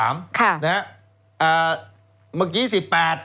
เมื่อกี้๑๘